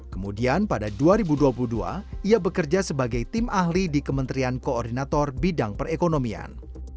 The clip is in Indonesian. kemudian pada dua ribu dua puluh dua ia bekerja sebagai tim ahli di kementerian koordinator bidang perekonomian